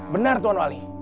benar tuan wali